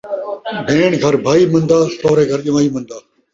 بھیݨ گھر بھائی مندا، سوہرے گھر جوائی مندا